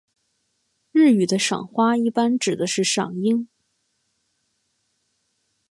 日语的赏花一般指的是赏樱。